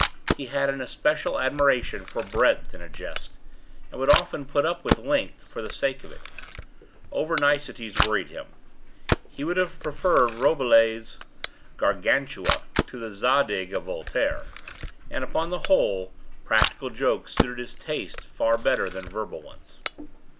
He had an especial admiration for breadth in a jest, and would often put up with length, for the sake of it. Over niceties wearied him. He would have preferred Rabelais' "Gargantua" to the "Zadig" of Voltaire: and, upon the whole, practical jokes suited his taste far better than verbal ones.